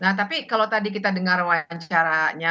nah tapi kalau tadi kita dengar wawancaranya